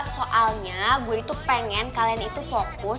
soalnya gue itu pengen kalian itu fokus